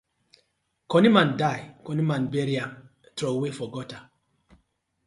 Cunny man die, cunny man bury am troway for gutter.